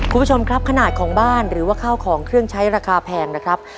คุณผู้ชมครับขนาดของบ้านหรือว่าข้าวของเครื่องใช้ราคาแพงนะครับ